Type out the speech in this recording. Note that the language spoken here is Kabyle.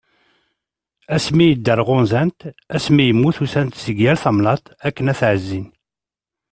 Asmi yedder ɣunzan-t, asmi yemmut usan-d seg yal tamnaḍt akken ad t-ɛezzin.